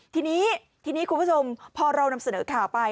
ทีนี้ทีนี้คุณผู้ชมพอเรานำเสนอข่าวไป